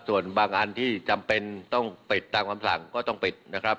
ส่วนบางอันที่จำเป็นต้องปิดตามคำสั่งก็ต้องปิดนะครับ